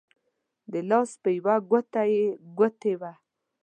د لاس په يوه ګوته يې ګوتې وه